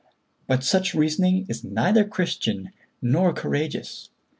But such reasoning is neither Christian nor courageous.